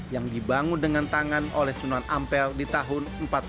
yang dibangun dengan tangan oleh sunan ampel di tahun seribu empat ratus enam puluh